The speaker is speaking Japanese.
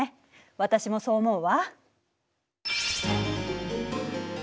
私もそう思うわ。